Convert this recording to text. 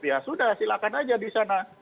ya sudah silakan aja di sana